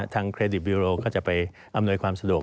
เครดิตบิโรก็จะไปอำนวยความสะดวก